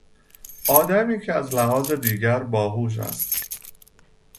آدمی که از لحاظ دیگر باهوش است